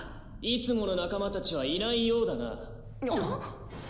いつもの仲間たちはいないようだな。